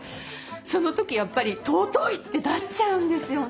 その時やっぱり尊いってなっちゃうんですよね。